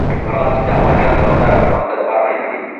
مورغاب سیند د افغانستان د دوامداره پرمختګ لپاره اړین دی.